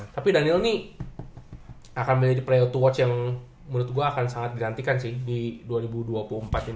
tapi daniel ini akan menjadi player to watch yang menurut gue akan sangat dinantikan sih di dua ribu dua puluh empat ini